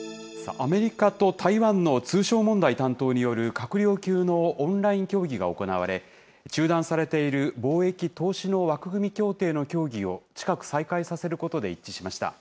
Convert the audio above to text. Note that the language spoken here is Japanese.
アメリカと台湾の通商問題担当による閣僚級のオンライン協議が行われ、中断されている貿易、投資の枠組み協定の協議を、近く再開させることで一致しました。